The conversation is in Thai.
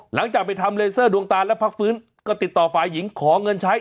หลังจากไปทำเลเซอร์ดวงตาแล้วพักฟื้นก็ติดต่อฝ่ายหญิงขอเงินใช้